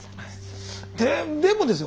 でもですよ